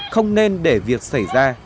không nên để việc xảy ra